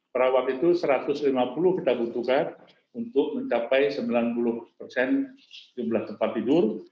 perawat itu satu ratus lima puluh kita butuhkan untuk mencapai sembilan puluh persen jumlah tempat tidur